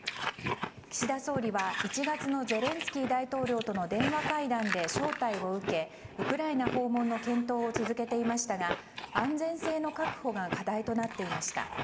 岸田総理は１月のゼレンスキー大統領との電話会談で招待を受けウクライナ訪問の検討を続けていましたが安全性の確保が課題となっていました。